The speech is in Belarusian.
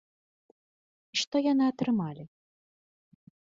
І што яны атрымалі?